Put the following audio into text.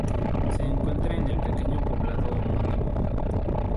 Se encuentra en el pequeño poblado homónimo.